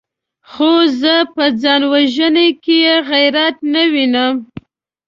خو زه په ځان وژنه کې غيرت نه وينم!